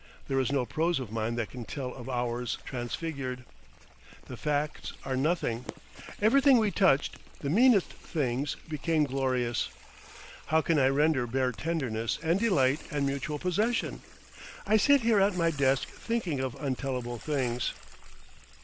There is no prose of mine that can tell of hours transfigured. The facts are nothing. Everything we touched, the meanest things, became glorious. How can I render bare tenderness and delight and mutual possession? I sit here at my desk thinking of untellable things.